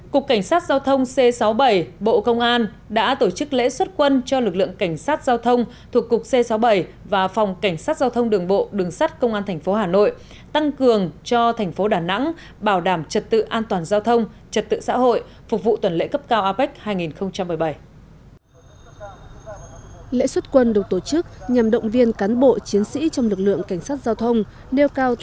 cục cảnh sát giao thông c sáu mươi bảy bộ công an đã tổ chức lễ xuất quân cho lực lượng cảnh sát giao thông thuộc cục c sáu mươi bảy và phòng cảnh sát giao thông đường bộ đường sắt công an tp hà nội tăng cường cho tp đà nẵng bảo đảm trật tự an toàn giao thông trật tự xã hội phục vụ tuần lễ cấp cao apec hai nghìn một mươi bảy